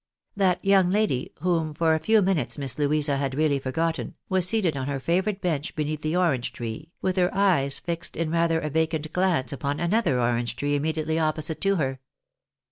That young lady, whom for a few minutes Miss Louisa had really forgotten, was seated on her favourite bench beneath the orange tree, with her eyes fixed in rather a vacant glance upon another orange tree itnmediately opposite to her.